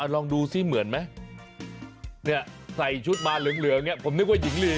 ลองดูซิเหมือนไหมเนี่ยใส่ชุดมาเหลืองเนี่ยผมนึกว่าหญิงลี